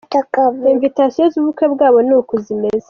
Invitations z'ubukwe bwabo ni uku zimeze.